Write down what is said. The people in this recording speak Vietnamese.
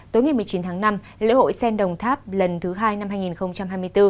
tối ngày một mươi chín tháng năm lễ hội sen đồng tháp lần thứ hai năm hai nghìn hai mươi bốn